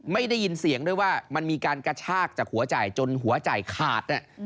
ไม่ได้ยินเสียงด้วยว่ามันมีการกระชากจากหัวใจจนหัวใจขาด